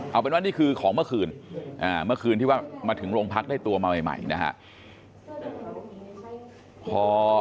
เอาเป็นว่านี่คือของเมื่อคืนเมื่อคืนที่ว่ามาถึงโรงพักได้ตัวมาใหม่นะฮะ